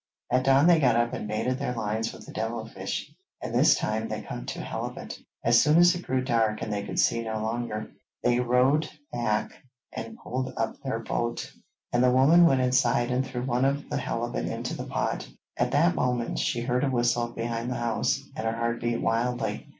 At dawn they got up and baited their lines with the devil fish, and this time they caught two halibut. As soon as it grew dark and they could see no longer, they rowed back and pulled up their boat, and the woman went inside and threw one of the halibut into the pot. At that moment she heard a whistle behind the house, and her heart beat wildly.